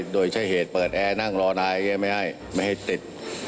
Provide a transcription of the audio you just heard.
โดยใช้เหตุเปิดแอร์นั่งรอนายไม่ให้ไม่ให้ติด